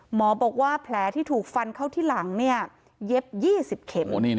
หมอบอกว่าแผลที่ถูกฟันเข้าที่หลังเย็บ๒๐เข็ม